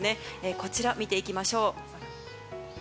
こちら見ていきましょう。